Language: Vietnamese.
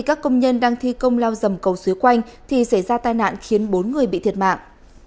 các công nhân đang thi công lao dầm cầu suối quanh thì xảy ra tai nạn khiến bốn người bị thiệt mạng